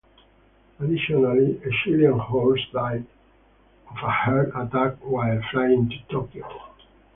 Additionally, a Chilian horse died of a heart attack while flying to Tokyo.